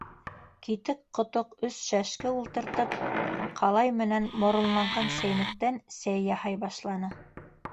Китек-ҡотоҡ өс шәшке ултыртып, ҡалай менән моронлаған сәйнүктән сәй яһай башланы.